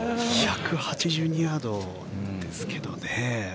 １８２ヤードですけどね。